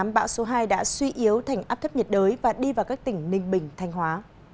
bão số hai đã suy yếu thành áp thấp nhiệt đới và đi vào các tỉnh ninh bình thanh hóa